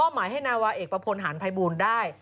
มอบหมายให้นาวาเอกประพลฯฐานไพรบูลได้